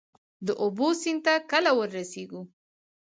د اوبو، سیند ته کله ورسیږو؟